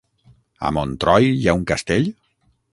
A Montroi hi ha un castell?